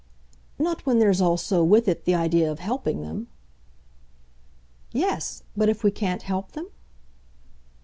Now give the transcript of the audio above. "Not when there's also, with it, the idea of helping them." "Yes, but if we can't help them?"